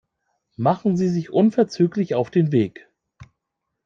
Machen Sie sich unverzüglich auf den Weg.